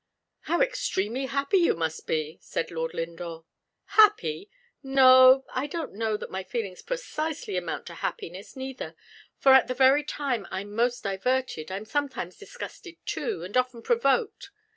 "How extremely happy you must be," said Lord Lindore. "Happy! No I don't know that my feelings precisely amount to happiness neither; for at the very time I'm most diverted I'm sometimes disgusted too, and often provoked.